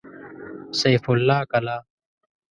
سيف الله کلا